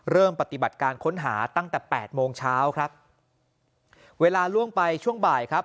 เริ่มปฏิบัติการค้นหาตั้งแต่แปดโมงเช้าครับเวลาล่วงไปช่วงบ่ายครับ